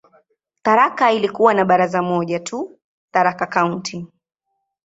Tharaka ilikuwa na baraza moja tu, "Tharaka County".